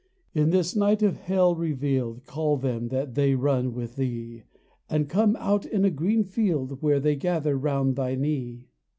In this night of Hell revealed Call them that they run with Thee, And come out in a green field Where they gather round Thy knee.